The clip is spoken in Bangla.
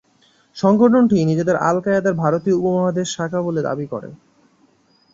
সংগঠনটি নিজেদের আল কায়েদার ভারতীয় উপমহাদেশ শাখা বলে দাবি করে।